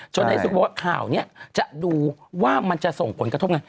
ในสุขบอกว่าข่าวนี้จะดูว่ามันจะส่งผลกระทบไง